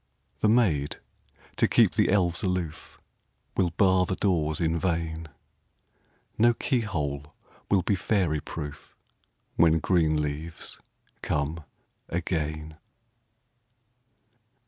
The maids, to keep the elves aloof, Will bar the doors in vain ; No key hole will be fairy proof, When green leaves come again.